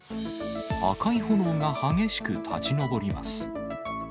赤い炎が激しく立ち上ります。